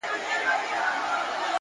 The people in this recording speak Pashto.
ښه انتخابونه روښانه سبا جوړوي.!